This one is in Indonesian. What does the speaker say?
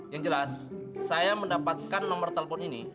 yang jelas saya mendapatkan nomor teleponnya